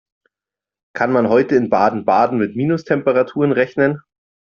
Kann man heute in Baden-Baden mit Minustemperaturen rechnen?